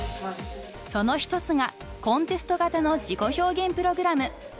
［その一つがコンテスト型の自己表現プログラム］